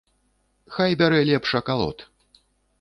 Хай бярэ лепш акалот.